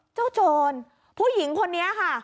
โจรผู้หญิงคนนี้ค่ะ